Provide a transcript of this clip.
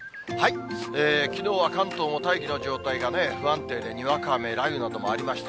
きのうは関東も大気の状態が不安定で、にわか雨、雷雨などもありました。